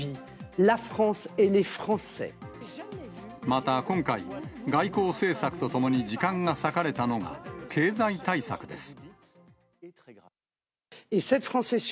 また今回、外交政策とともに時間が割かれたのが、経済対策です。